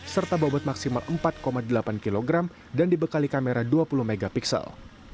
serta bobot maksimal empat delapan kg dan dibekali kamera dua puluh mp